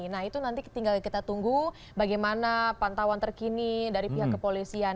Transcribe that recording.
nah itu nanti tinggal kita tunggu bagaimana pantauan terkini dari pihak kepolisian